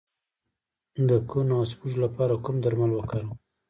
د کنو او سپږو لپاره کوم درمل وکاروم؟